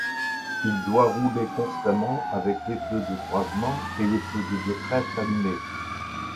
Il doit rouler constamment avec les feux de croisement et feux de détresse allumés.